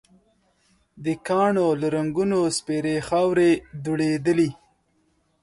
د کاڼو له رنګونو سپېرې خاورې دوړېدلې.